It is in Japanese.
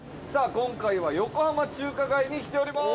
今回は横浜中華街に来ております！